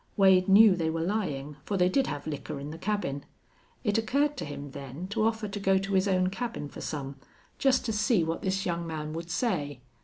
Wade knew they were lying, for they did have liquor in the cabin. It occurred to him, then, to offer to go to his own cabin for some, just to see what this young man would say.